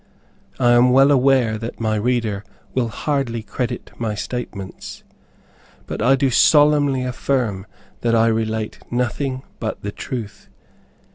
I am well aware that my reader will hardly credit my statements, but I do solemnly affirm that I relate nothing but the truth.